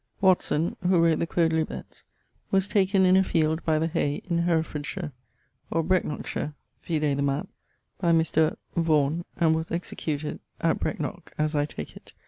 Watson, who wrote the Quodlibets, was taken in a field by the Hay in Herefordshire (or Brecknockshire vide the mapp) by Mr. ... Vaughan, and was executed, at Brecknock (as I take it).